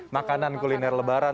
makanan kuliner lebaran